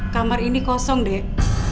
kamar ini kosong dek